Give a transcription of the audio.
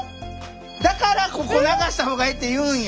だからここ流した方がええって言うんや。